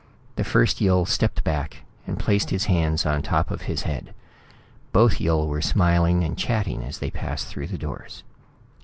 The first Yill stepped back and placed his hands on top of his head. Both Yill were smiling and chatting as they passed through the doors.